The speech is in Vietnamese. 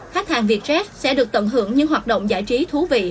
khách hàng vietjet sẽ được tận hưởng những hoạt động giải trí thú vị